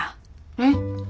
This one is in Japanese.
えっ？